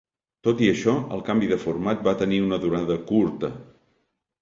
Tot i això, el canvi de format va tenir una durada curta.